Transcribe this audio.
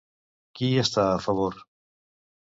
Qui hi està a favor?